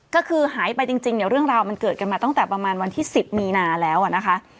ก็คือหายไปจริงเนี่ยเรื่องราวมันเกิดกันมาตั้งแต่ประมาณวันที่๑๐มีนาแล้วนะคะ